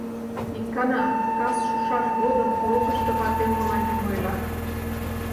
Икана, кас шушаш годым, олыкышто ватем мыланем ойла: